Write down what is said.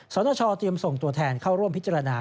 สนชเตรียมส่งตัวแทนเข้าร่วมพิจารณา